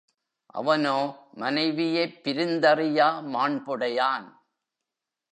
அவனோ மனைவியைப் பிரிந்தறியா மாண்புடையான்.